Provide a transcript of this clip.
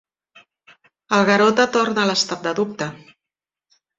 El Garota torna a l'estat de dubte.